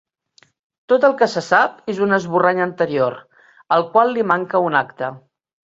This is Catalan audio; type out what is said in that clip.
Tot el que se sap és un esborrany anterior, al qual li manca un acte.